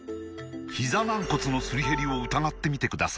ひざ軟骨のすり減りを疑ってみてください